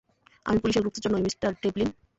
আমি পুলিশের গুপ্তচর নই, মিঃ ডেভলিন।